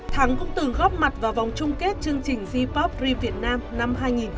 thắng cũng từng góp mặt vào vòng chung kết chương trình j pop rea việt nam năm hai nghìn một mươi chín